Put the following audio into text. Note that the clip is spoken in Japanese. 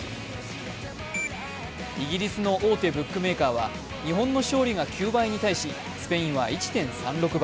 イギリスの大手ブックメーカーは日本の勝利が９倍に対しスペインは１．３６倍。